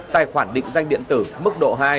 tài khoản định danh điện tử mức độ hai